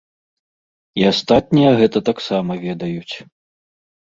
І астатнія гэта таксама ведаюць.